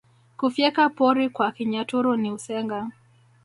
Kufyeka pori kwa Kinyaturu ni Usenga